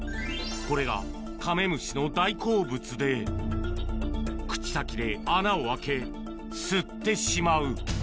これがカメムシの大好物で、口先で穴を開け、吸ってしまう。